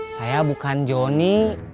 saya bukan jonny